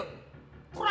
kurang ajarin aku